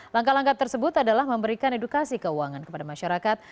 langkah langkah tersebut adalah memberikan edukasi keuangan kepada masyarakat